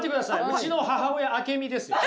うちの母親「あけみ」ですよ。